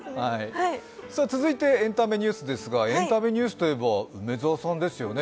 続いてエンタメニュースですがエンタメニュースといえば梅澤さんですよね。